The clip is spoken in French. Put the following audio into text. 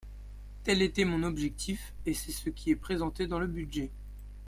Tel était mon objectif et c’est ce qui est présenté dans le budget.